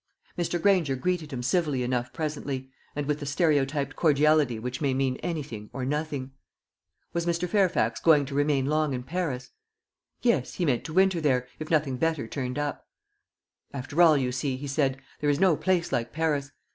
Mr. Granger greeted him civilly enough presently, and with the stereotyped cordiality which may mean anything or nothing. Was Mr. Fairfax going to remain long in Paris? Yes, he meant to winter there, if nothing better turned up. "After all, you see," he said, "there is no place like Paris.